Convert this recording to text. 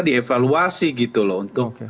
dievaluasi gitu loh untuk